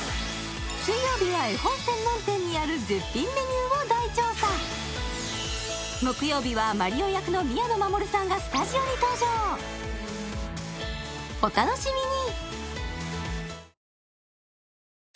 水曜日は絵本専門店にある絶品メニューを大調査木曜日はマリオ役の宮野真守さんがスタジオに登場お楽しみに！